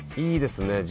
いいですね